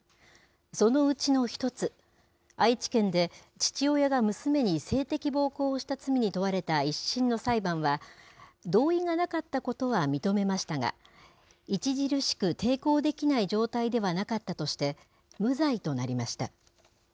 そのうちの一つ、愛知県で父親が娘に性的暴行をした罪に問われた１審の裁判は、同意がなかったことは認めましたが、著しく抵抗できない状態ではなかったとして、無罪となりました。